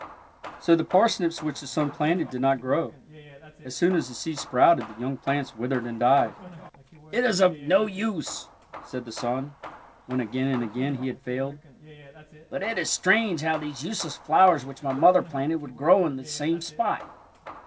So the parsnips which the son planted did not grow. As soon as the seeds sprouted the young plants withered and died. It is of no use," said the son, when again and again he had failed. '' But it is strange how those useless flowers which my mother planted would grow on this same spot."